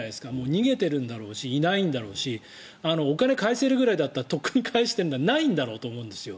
逃げているんだろうしいないんだろうしお金を返せるぐらいだったらとっくに返してるだろうからないんだろうと思うんですよ。